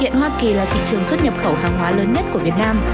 hiện hoa kỳ là thị trường xuất nhập khẩu hàng hóa lớn nhất của việt nam